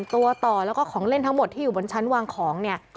ตัวต่อแล้วก็ของเล่นทั้งหมดที่อยู่บนชั้นวางของเนี่ย